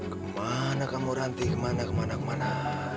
kemana kamu ranti kemana kemana kemana